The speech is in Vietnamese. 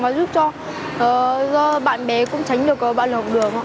cần làm gì để phòng tránh bạo lực học đường